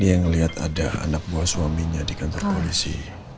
dia melihat ada anak buah suaminya di kantor polisi